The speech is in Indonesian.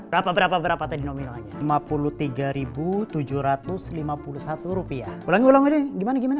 berapa berapa berapa tadi nominalnya lima puluh tiga tujuh ratus lima puluh satu rupiah ulangi ulangi gimana gimana lima puluh tiga